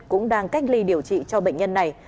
cũng đang cách ly điều trị cho bệnh nhân này